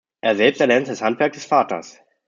Er selbst erlernte das Handwerk des Vaters.